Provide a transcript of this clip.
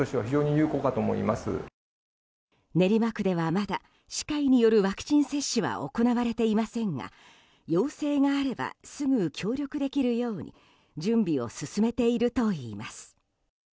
練馬区ではまだ歯科医によるワクチン接種は行われていませんが要請があればすぐ協力できるように準備を進めているといいます。